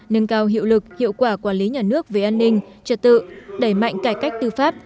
nâng cao hiệu lực hiệu quả quản lý nhà nước về an ninh trật tự đẩy mạnh cải cách tư pháp